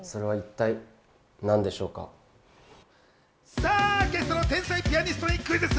さあ、ゲストの天才ピアニストにクイズッス！